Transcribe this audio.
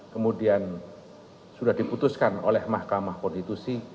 kemudian sudah diputuskan oleh mahkamah konstitusi